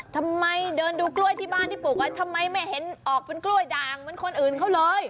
ทำไมเดินดูกล้วยที่บ้านที่ปลูกไว้ทำไมไม่เห็นออกเป็นกล้วยด่างเหมือนคนอื่นเขาเลย